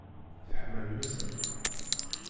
Teḥma lmissa.